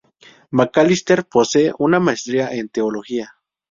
McAllister posee una maestría en teología.